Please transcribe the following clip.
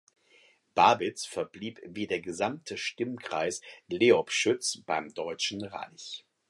Babitz verblieb wie der gesamte Stimmkreis Leobschütz beim Deutschen Reich.